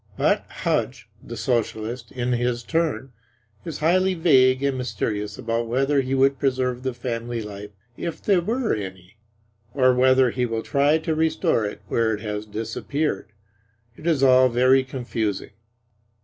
But Hudge, the Socialist, in his turn, is highly vague and mysterious about whether he would preserve the family life if there were any; or whether he will try to restore it where it has disappeared. It is all very confusing.